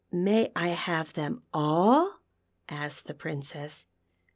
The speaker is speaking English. " May I have them all ,^" asked the Princess.